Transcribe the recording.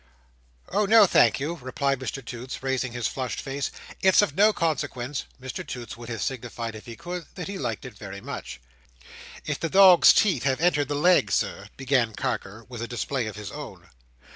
"Oh no, thank you," replied Mr Toots, raising his flushed face, "it's of no consequence" Mr Toots would have signified, if he could, that he liked it very much. "If the dog's teeth have entered the leg, Sir—" began Carker, with a display of his own.